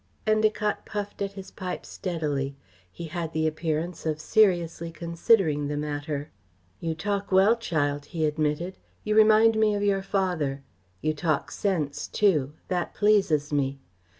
Endacott puffed at his pipe steadily. He had the appearance of seriously considering the matter. "You talk well, child," he admitted. "You remind me of your father. You talk sense too. That pleases me.